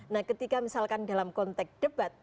nah ketika misalkan dalam konteks debat